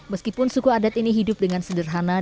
meskipun suku adat ini hidup dengan sederhana dan berbeda